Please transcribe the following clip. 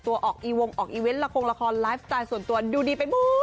ตัวออกอีกระครองละครไลฟสไตล์ส่วนตัวดูดี